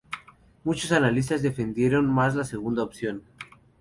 Muchos analistas defendieron más la segunda opción.